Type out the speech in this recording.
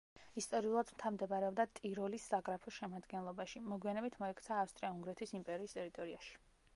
ისტორიულად მთა მდებარეობდა ტიროლის საგრაფოს შემადგენლობაში, მოგვიანებით მოექცა ავსტრია-უნგრეთის იმპერიის ტერიტორიაში.